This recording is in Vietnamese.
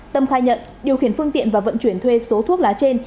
tâm khai nhận điều khiển phương tiện và vận chuyển thuê số thuốc lá trên